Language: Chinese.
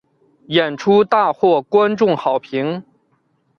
演出大获观众好评。